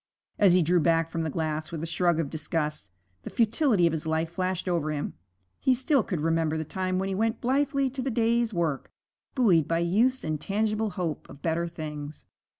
As he drew back from the glass with a shrug of disgust, the futility of his life flashed over him. He still could remember the time when he went blithely to the day's work, buoyed by youth's intangible hope of better things.